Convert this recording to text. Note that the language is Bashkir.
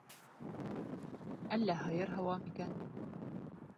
Әллә һыйыр һауа микән.